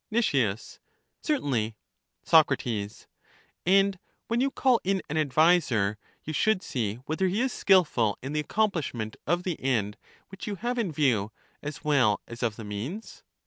Nic, Certainly. Soc, And when you call in an adviser, you should see whether he is skilful in the accomplishment of the end which you have in view, as well as of the means?